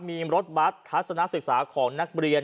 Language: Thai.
มีรถบัตรทัศนศึกษาของนักเรียน